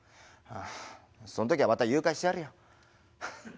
ああそん時はまた誘拐してやるよ。